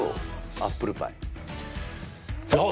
アップルパイいや